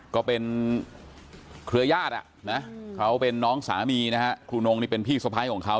ก็เป็นเครือยาดเขาเป็นน้องสามีครูนงเป็นพี่สบายของเขา